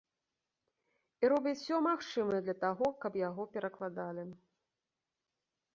І робіць усё магчымае для таго, каб яго перакладалі.